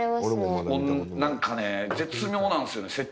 何かね絶妙なんですよね